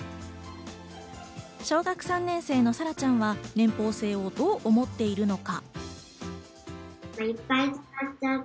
小学３年生のさらちゃんは年俸制をどう思っているのか？